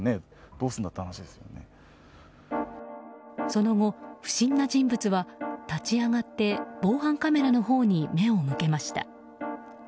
その後、不審な人物は立ち上がって防犯カメラのほうに目を向けました。